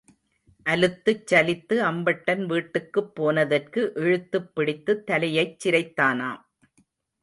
அலுத்துச் சலித்து அம்பட்டன் வீட்டுக்குப் போனதற்கு இழுத்துப் பிடித்துத் தலையைச் சிரைத்தானாம்.